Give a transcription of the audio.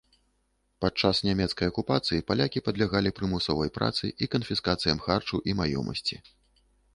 Падчас нямецкай акупацыі палякі падлягалі прымусовай працы і канфіскацыям харчу і маёмасці.